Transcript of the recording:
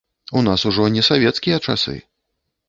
У нас ужо не савецкія часы.